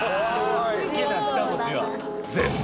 好きな２文字は全滅。